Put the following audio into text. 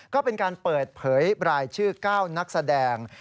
ก็เป็นการเปิดเผยรายชื่อ๙นักแสดง